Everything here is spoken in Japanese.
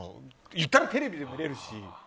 言ったらテレビで見れるし。